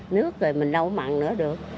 nước rồi mình đâu có bằng nữa được